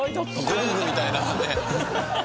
ゴングみたいなね。